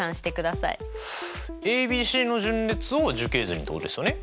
ａｂｃの順列を樹形図にってことですよね。